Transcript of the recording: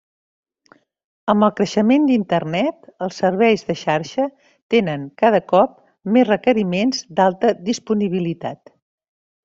Amb el creixement d'Internet, els serveis de xarxa tenen cada cop més requeriments d'alta disponibilitat.